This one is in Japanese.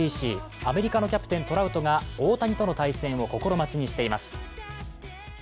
アメリカのキャプテン・トラウトが大谷との対戦を心待ちにしています。